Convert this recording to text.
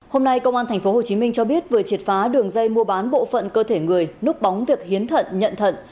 hôm nay công an tp hcm cho biết vừa triệt phá đường dây mua bán bộ phận cơ thể người núp bóng việc hiến thận nhận thận